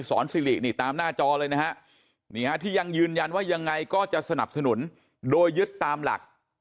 สรสิฬิกตามหน้าจอที่ยังยืนยันว่ายังไงก็จะสนับสนุนโดยยึดตามหลัก